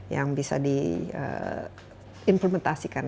yang bisa di implementasikan